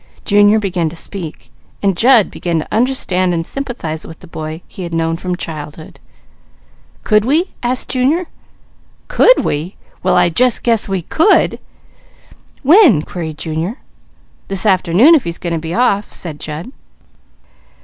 Junior began to speak, and Jud began to understand and sympathize with the boy he had known from childhood. "Could we?" asked Junior. "'Could we?' Well, I just guess we could!" "When?" queried Junior. "This afternoon, if he's going to be off," said Jud.